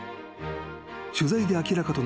［取材で明らかとなった